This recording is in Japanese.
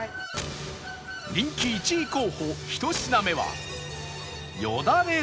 人気１位候補１品目は